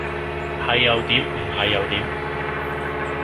係又點唔係有點？